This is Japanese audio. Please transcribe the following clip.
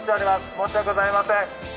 申し訳ございません。